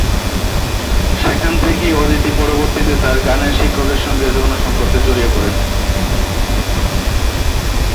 সেখান থেকেই অদিতি পরবর্তীতে তার গানের শিক্ষকের সঙ্গে যৌন সম্পর্কে জড়িয়ে পড়ে।